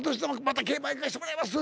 「また競馬行かしてもらいます」